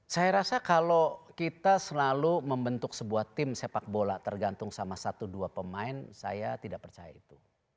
saya rasa kalau kita selalu membentuk sebuah tim sepak bola tergantung sama satu dua pemain saya tidak percaya itu